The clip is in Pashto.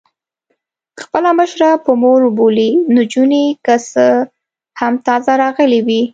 خپله مشره په مور بولي، نجونې که څه هم تازه راغلي وې.